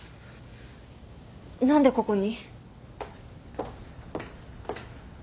何でここに？